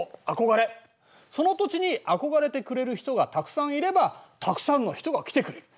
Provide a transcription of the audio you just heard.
その土地に憧れてくれる人がたくさんいればたくさんの人が来てくれる。